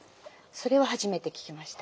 それは初めて聞きました。